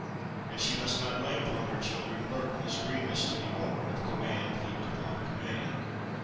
And she must not lay upon her children burdens, grievous to be borne, of command heaped upon command.